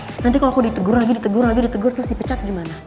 nanti kalau aku ditegur lagi ditegur lagi ditegur terus dipecat gimana